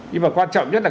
nhưng mà quan trọng nhất là